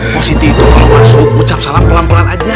positif itu kalau masuk ucap salah pelan pelan aja